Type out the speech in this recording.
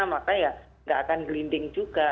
maka ya nggak akan gelinding juga